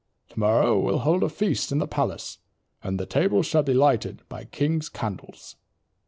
Tomorrow we'll hold a feast in the palace, and the table shall be lighted by 'King's Candles.